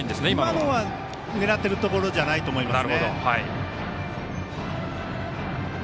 今のは狙ってるところじゃないと思います。